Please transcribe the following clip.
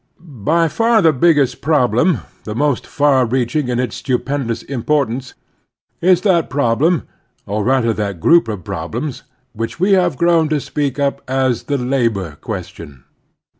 BY far the greatest problem, the most far reaching in its stupendous importance, is that problem, or rather that group of prob lems, which we have grown to speak of as the labor question.